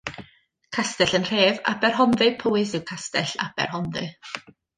Castell yn nhref Aberhonddu, Powys yw Castell Aberhonddu.